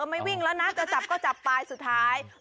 ไม่วิ่งแล้วนะจะจับก็จับไปสุดท้าย